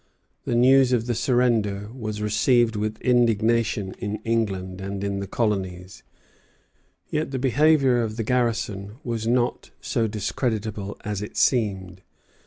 The news of the surrender was received with indignation in England and in the colonies. Yet the behaviour of the garrison was not so discreditable as it seemed.